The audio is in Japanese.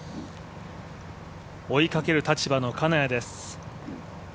追いかける立場の金谷です。